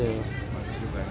bansos juga ya